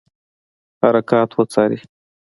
حرکات وڅاري.